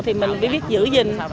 thì mình phải biết giữ gìn